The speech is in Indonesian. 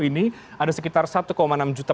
ini ada sekitar satu enam juta